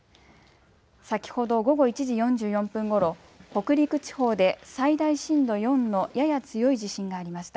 先ほど午後１時４４分ごろ、北陸地方で最大震度４のやや強い地震がありました。